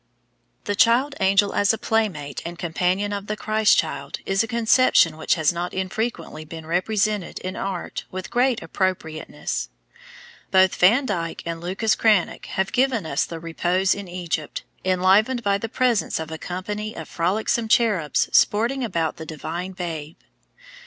] The child angel as a playmate and companion of the Christ child is a conception which has not infrequently been represented in art with great appropriateness. Both Van Dyck and Lucas Cranach have given us the Repose in Egypt, enlivened by the presence of a company of frolicsome cherubs sporting about the Divine Babe.